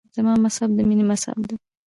زما مذهب د مینې مذهب دی.